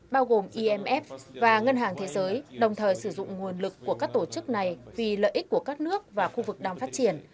bao gồm imf và ngân hàng thế giới đồng thời sử dụng nguồn lực của các tổ chức này vì lợi ích của các nước và khu vực đang phát triển